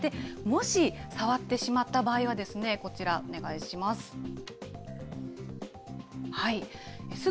もし、触ってしまった場合は、こちらお願いします。